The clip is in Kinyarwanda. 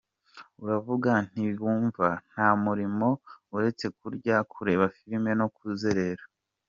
Uravuga ntibumva; nta murimo, uretse kurya, kureba filime no kuzerera!”.